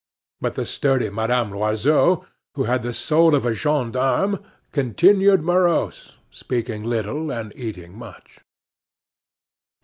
But the sturdy Madame Loiseau, who had the soul of a gendarme, continued morose, speaking little and eating much.